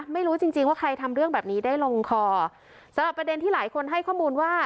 ไม่รู้จริงจริงว่าใครทำเรื่องแบบนี้ได้ลงคอสำหรับประเด็นที่หลายคนให้ข้อมูลว่า